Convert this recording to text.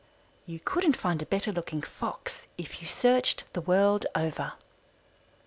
You couldn't find a better looking Fox if you searched the world over.